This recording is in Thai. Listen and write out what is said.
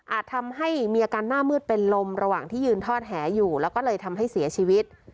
ทำให้มีอาการหน้ามืดเป็นลมระหว่างที่ยืนทอดแหอยู่แล้วก็เลยทำให้เสียชีวิต